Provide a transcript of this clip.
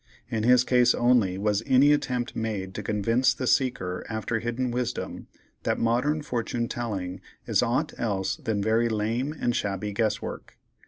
In his case only was any attempt made to convince the seeker after hidden wisdom, that modern fortune telling is aught else than very lame and shabby guesswork.